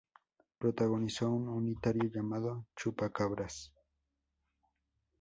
Protagonizó un unitario llamado "Chupacabras".